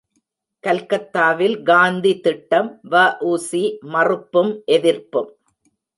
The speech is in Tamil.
கல்கத்தாவில் காந்தி திட்டம் வ.உ.சி.மறுப்பும் எதிர்ப்பும்!